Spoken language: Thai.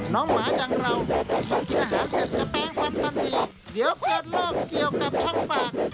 หมาอย่างเรากินอาหารเสร็จจะแป๊งฟันทันทีเดี๋ยวเกิดโรคเกี่ยวกับช่องปาก